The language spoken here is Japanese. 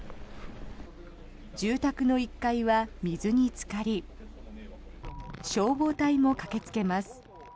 住宅の１階は水につかり消防隊も駆けつけます。